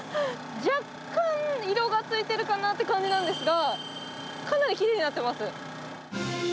若干、色がついてるかなっていう感じなんですが、かなりきれいになってます。